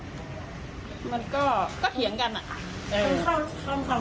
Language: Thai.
มันก็ก็เถียงกันอ่ะ